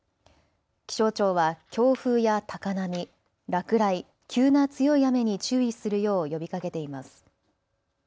気象庁は強風や高波、落雷、急な強い雨に注意するよう呼びかけています。